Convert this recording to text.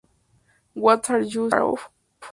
What Are You So Scared Of?